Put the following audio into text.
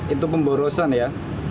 itu pemborosan ya